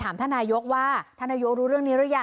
ถามธนายกว่าธนายกรู้เรื่องนี้หรือยัง